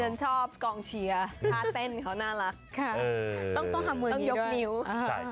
ดิฉันชอบกองเชียร์